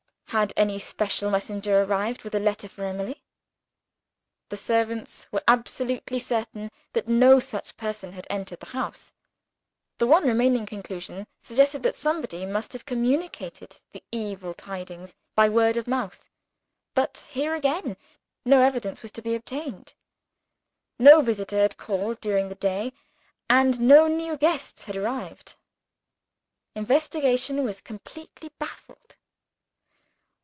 Had any special messenger arrived, with a letter for Emily? The servants were absolutely certain that no such person had entered the house. The one remaining conclusion suggested that somebody must have communicated the evil tidings by word of mouth. But here again no evidence was to be obtained. No visitor had called during the day, and no new guests had arrived. Investigation was completely baffled.